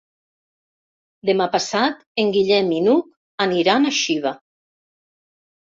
Demà passat en Guillem i n'Hug aniran a Xiva.